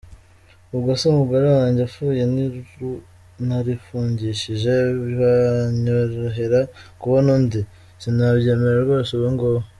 Ubwo se umugore wange apfuye narifungishije byanyorohera kubona undi? Sinabyemera rwose ubu ngubu.